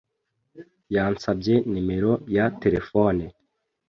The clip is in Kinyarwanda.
yansabye numero ya telephone